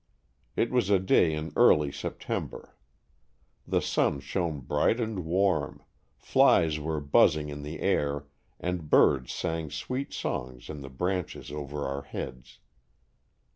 It was a day in early September. The sun shone bright and warm, flies were buzzing in the air and birds sang sweet songs in the branches over our heads.